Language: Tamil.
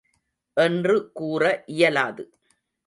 என்று கூற இயலாது.